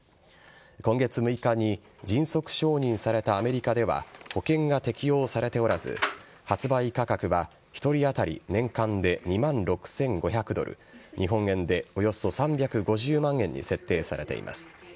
今月６日に迅速承認されたアメリカでは、保険が適用されておらず、発売価格は１人当たり年間で２万６５００ドル、日本円でおよそ３５０万円に設定されています。